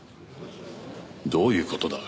どういう事だ？